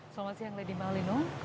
selamat siang lady malinu